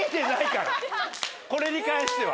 これに関しては。